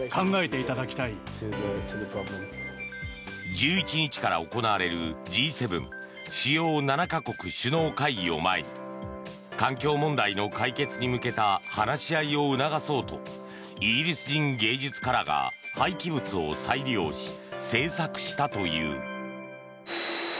１１日から行われるＧ７・主要７か国首脳会議を前に環境問題の解決に向けた話し合いを促そうとイギリス人芸術家らが廃棄物を再利用し制作したという。